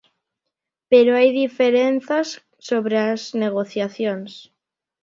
Pero hai diferenzas sobre as negociacións.